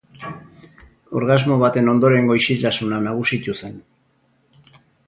Orgasmo baten ondorengo isiltasuna nagusitu zen.